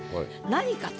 何かと。